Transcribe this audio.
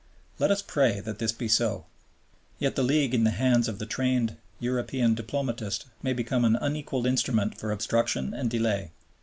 Let us pray that this be so. Yet the League in the hands of the trained European diplomatist may become an unequaled instrument for obstruction and delay.